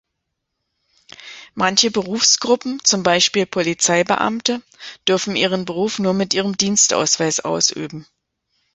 Manche Berufsgruppen, zum Beispiel Polizeibeamte, dürfen ihren Beruf nur mit ihrem Dienstausweis ausüben.